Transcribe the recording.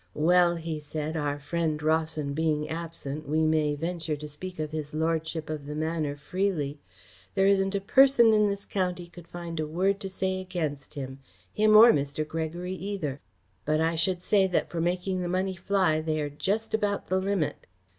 "Well," he said, "our friend Rawson being absent, we may venture to speak of his Lordship of the Manor freely. There isn't a person in the county could find a word to say against him him or Mr. Gregory either but I should say that for making the money fly they are just about the limit."